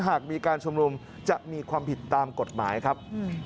หากมีการชุมนุมจะมีความผิดตามกฎหมายครับ